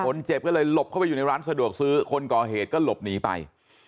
คนเจ็บก็เลยหลบเข้าไปอยู่ในร้านสะดวกซื้อคนก่อเหตุก็หลบหนีไป